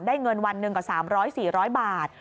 เงินวันหนึ่งกว่า๓๐๐๔๐๐บาท